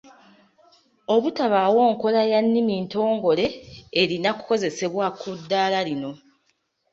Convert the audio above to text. Obutabaawo nkola ya nnimi ntongole erina kukozesebwa ku ddaala lino.